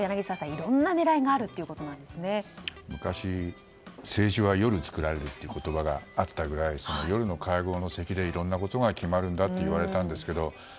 いろんな狙いが昔、政治は夜作られるという言葉があったくらい夜の会合の席でいろんなことが決まるんだと言われたんですけど。